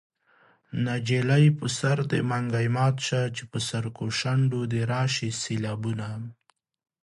نجلۍ په سر دې منګی مات شه چې په سرکو شونډو دې راشي سېلابونه